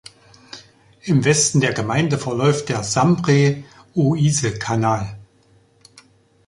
Im Westen der Gemeinde verläuft der Sambre-Oise-Kanal.